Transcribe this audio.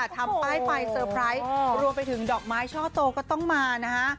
ทำป้ายไฟเตอร์ไพรส์รวมไปถึงดอกไม้ช่อโตก็ต้องมานะฮะ